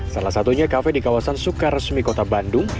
salah satunya kafe di kawasan sukaresmi kota bandung